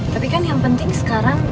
tapi kan yang penting sekarang